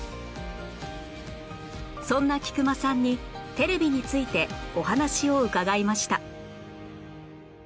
そんな菊間さんにテレビについてお話を伺いました